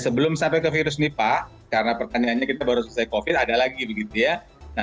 sebelum sampai ke virus nipah karena pertanyaannya kita baru selesai covid sembilan belas ada lagi begitu ya